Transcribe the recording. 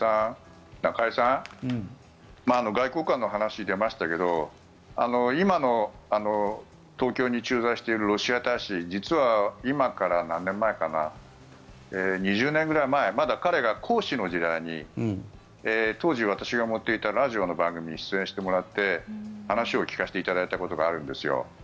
中居さん外交官の話が出ましたけど今の東京に駐在しているロシア大使実は今から何年前かな２０年ぐらい前まだ彼が公使の時代に当時、私が持っていたラジオの番組に出演していただいて話を聞かせてもらったことがあるんですよ。